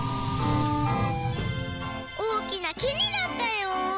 おおきなきになったよ。